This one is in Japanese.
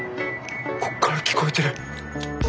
こっから聞こえてる。